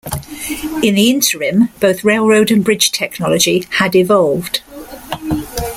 In the interim, both railroad and bridge technology had evolved.